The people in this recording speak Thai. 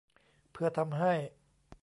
เพื่อทำให้